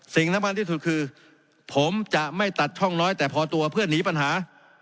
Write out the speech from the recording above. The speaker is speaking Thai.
สิ่งสำคัญที่สุดคือผมจะไม่ตัดช่องน้อยแต่พอตัวเพื่อหนีปัญหา